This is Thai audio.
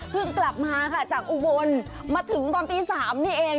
เพิ่งกลับมาค่ะจากอุวลมาถึงตอนตีสามนี่เอง